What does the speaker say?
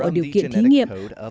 ở điều kiện thí nghiệm